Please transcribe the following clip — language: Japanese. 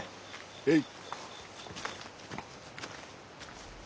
へい。